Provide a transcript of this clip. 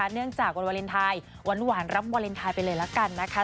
เนื่องจากวันวาเลนไทยหวานรับวาเลนไทยไปเลยละกันนะคะ